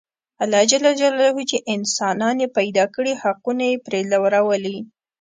الله ج چې انسانان یې پیدا کړي حقونه یې پرې لورولي.